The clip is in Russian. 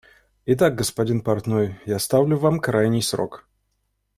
Итак, господин портной, я ставлю вам крайний срок.